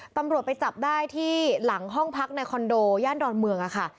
ตำรวจไปจับได้ที่หลังห้องพักในคอนโดย่านดอนเมืองค่ะ